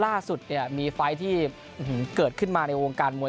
ล่าสุดมีไฟล์ที่เกิดขึ้นมาในองค์การมวย